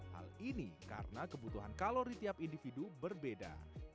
hal ini karena kebutuhan kalori tiap individu berbeda